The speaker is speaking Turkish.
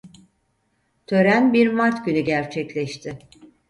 Tören bir Mart günü gerçekleşti.